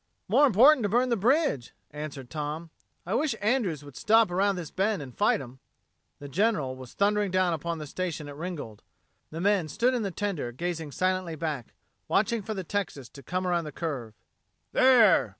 "More important to burn the bridge," answered Tom. "I wish Andrews would stop around this bend and fight 'em." The General was thundering down upon the station at Ringgold. The men stood in the tender gazing silently back, watching for the Texas to come around the curve. "There!"